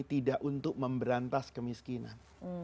tidak untuk memberantas kemiskinan